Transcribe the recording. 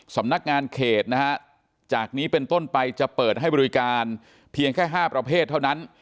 สำนักงานเขตนะฮะจากนี้เป็นต้นไปจะเปิดให้บริการเพียงแค่๕ประเภทเท่านั้น